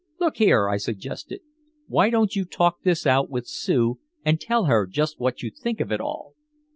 "Look here," I suggested. "Why don't you talk this out with Sue, and tell her just what you think of it all?"